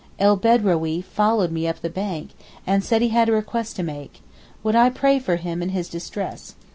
El Bedrawee followed me up the bank, and said he had a request to make—would I pray for him in his distress.